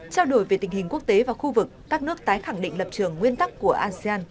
trao đổi về tình hình quốc tế và khu vực các nước tái khẳng định lập trường nguyên tắc của asean